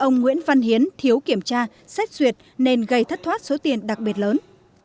ông nguyễn văn hiến thiếu kiểm tra xét duyệt nên gây thất thoát số tiền đặc biệt lớn